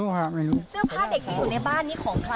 เสื้อผ้าเด็กที่อยู่ในบ้านนี้ของใคร